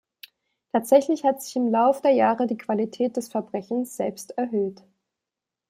Tatsächlich hat sich im Lauf der Jahre die Qualität des Verbrechens selbst erhöht.